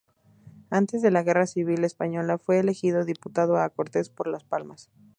Antes de la guerra civil española fue elegido diputado a Cortes por Las Palmas.